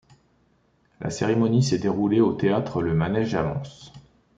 La cérémonie s'est déroulée le au Théâtre Le Manège à Mons.